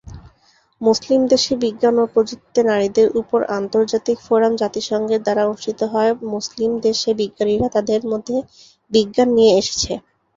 মুসলিম দেশে বিজ্ঞান ও প্রযুক্তিতে নারীদের উপর আন্তর্জাতিক ফোরাম জাতিসংঘের দ্বারা অনুষ্ঠিত হয়, মুসলিম দেশে বিজ্ঞানীরা তাদের মধ্যে বিজ্ঞান নিয়ে এসেছে।